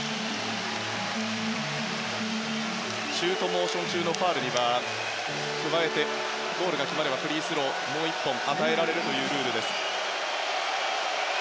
シュートモーション中のファウルにはゴールが決まればフリースローがもう１本与えられるルールです。